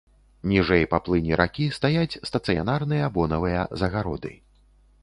Ніжэй па плыні ракі стаяць стацыянарныя бонавыя загароды.